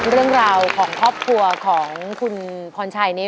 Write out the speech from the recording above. เรื่องราวของครอบครัวของคุณพรชัยนี้